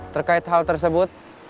terkait hal tersebut